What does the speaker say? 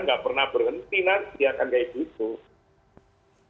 nggak pernah berhenti nanti akan kayak gitu